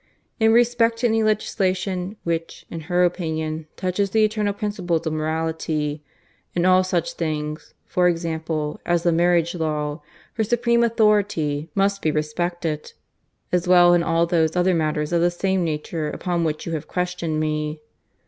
In respect to any legislation which, in her opinion, touches the eternal principles of morality in all such things, for example, as the marriage law her supreme authority must be respected; as well as in all those other matters of the same nature upon which you have questioned me.